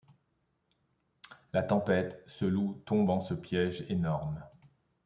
La tempête, ce loup, tombe en ce piège énorme !